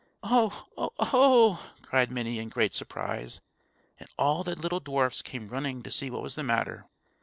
"Oh! oh! oh!" cried Minnie, in great surprise; and all the little dwarfs came running to see what was the matter.